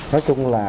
nói chung là